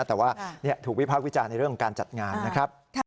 แต่ว่าถูกวิพากษ์วิจารณ์ในเรื่องของการจัดงานนะครับ